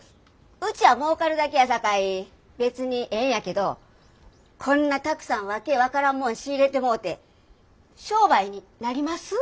うちは儲かるだけやさかい別にええんやけどこんなたくさん訳分からんもん仕入れてもうて商売になります？